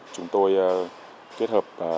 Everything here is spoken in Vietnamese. chúng tôi kết hợp